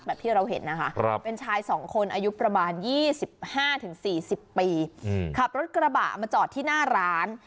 ที่เราเห็นนะคะเป็นชาย๒คนอายุประมาณ๒๕๔๐ปีขับรถกระบะมาจอดที่หน้าร้าน